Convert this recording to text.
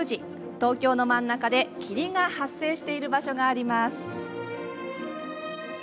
東京の真ん中で霧が発生している場所があります。